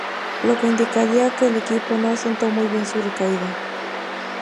Lo que indicaría que en el equipo no sentó muy bien su recaída.